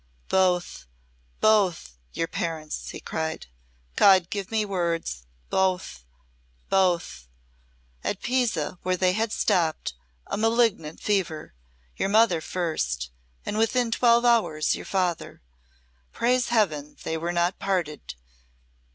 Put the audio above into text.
"Both both your parents!" he cried. "God give me words! Both both! At Pisa where they had stopped a malignant fever. Your mother first and within twelve hours your father! Praise Heaven they were not parted.